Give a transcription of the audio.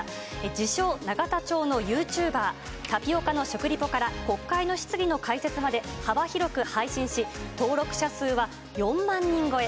自称、永田町のユーチューバー、タピオカの食リポから国会の質疑の解説まで幅広く配信し、登録者数は４万人超え。